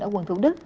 ở quận thủ đức